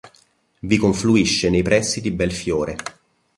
Vi confluisce nei pressi di Belfiore.